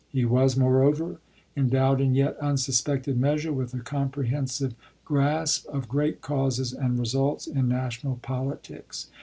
He was, moreover, endowed in yet unsuspected measure with a comprehensive grasp of great causes and results in national politics.